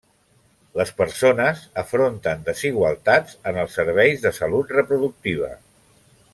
Les persones afronten desigualtats en els serveis de salut reproductiva.